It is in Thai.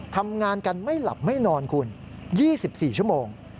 ทำงานกันไม่หลับไม่นอนคุณ๒๔ชั่วโมง